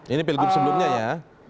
ini pilgub sebelumnya ya